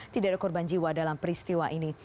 tidak ada korban jiwa dalam peristiwa ini